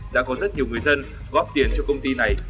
đã có rất nhiều người dân góp tiền cho công ty này